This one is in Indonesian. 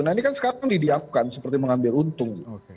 nah ini kan sekarang didiamkan seperti mengambil untung